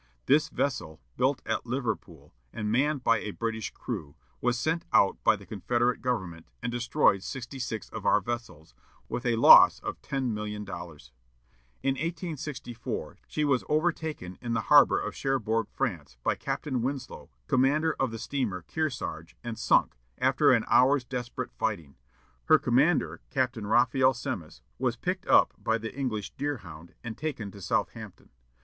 This vessel, built at Liverpool, and manned by a British crew, was sent out by the Confederate government, and destroyed sixty six of our vessels, with a loss of ten million dollars. In 1864, she was overtaken in the harbor of Cherbourg, France, by Captain Winslow, commander of the steamer Kearsarge, and sunk, after an hour's desperate fighting. Her commander, Captain Raphael Semmes, was picked up by the English Deerhound, and taken to Southampton.